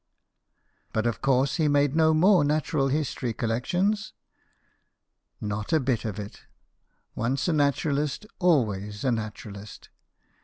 But of course he made no more natural his tory collections ? Not a bit of it. Once a naturalist, always a naturalist.